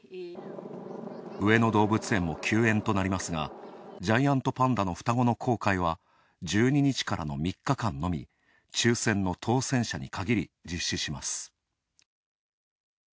上野動物園も休園となりますがジャイアントパンダの双子の公開は１２日からの３日間のみ、抽せんの当せん者に限り実施します。